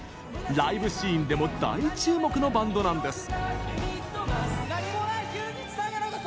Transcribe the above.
ライブシーンでも大注目のバンドなんです。